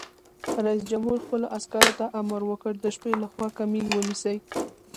رئیس جمهور خپلو عسکرو ته امر وکړ؛ د شپې لخوا کمین ونیسئ!